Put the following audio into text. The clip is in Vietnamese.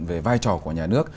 về vai trò của nhà nước